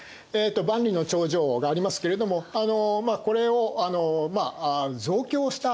万里の長城がありますけれどもこれを増強したというのも明の時代だったんですね。